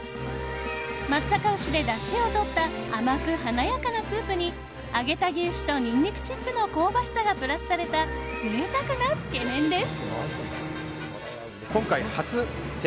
松阪牛で、だしをとった甘く華やかなスープに揚げた牛脂とニンニクチップの香ばしさがプラスされた贅沢なつけ麺です。